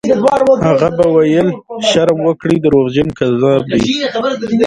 هغه به ویل: «شرم وکړئ! دروغجن، کذاب دی».